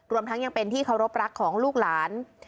ทั้งยังเป็นที่เคารพรักของลูกหลาน